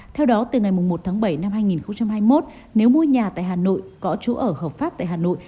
theo đó từ ngày một tháng bảy năm hai nghìn hai mươi một nếu mua nhà tại hà nội có chỗ ở hợp pháp tại hà nội